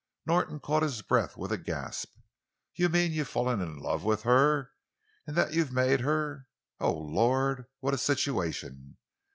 Norton caught his breath with a gasp. "You mean you've fallen in love with her? And that you've made her—Oh, Lord! What a situation!